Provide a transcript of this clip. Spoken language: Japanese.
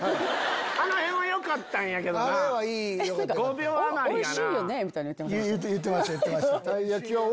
あの辺はよかったんやけどな５秒余りがな。